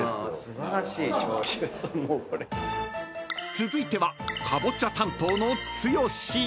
［続いてはカボチャ担当の剛］